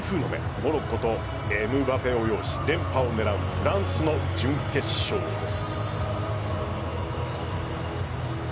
モロッコとエムバペを擁し連覇を狙うフランスの準決勝です。